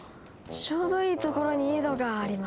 ちょうどいい所に井戸があります。